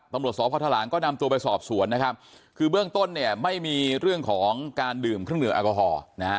ตำรวจสพทรางก็นำตัวไปสอบสวนนะครับคือเบื้องต้นเนี่ยไม่มีเรื่องของการดื่มเครื่องดื่มแอลกอฮอล์นะฮะ